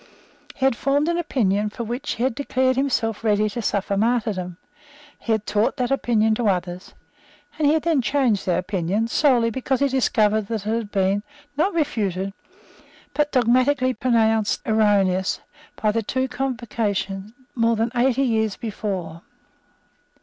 He had formed an opinion for which he had declared himself ready to suffer martyrdom; he had taught that opinion to others; and he had then changed that opinion solely because he had discovered that it had been, not refuted, but dogmatically pronounced erroneous by the two Convocations more than eighty years before.